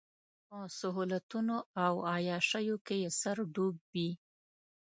په سهولتونو او عياشيو کې يې سر ډوب وي.